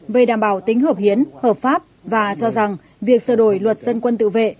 về đảm bảo tính hợp hiến hợp pháp và cho rằng việc sửa đổi luật dân quân tự vệ